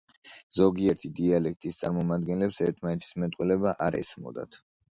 ზოგიერთი დიალექტის წარმომადგენლებს ერთმანეთის მეტყველება არ ესმოდათ.